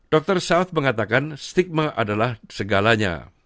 dr south mengatakan stigma adalah segalanya